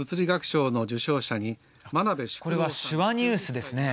これは手話ニュースですね。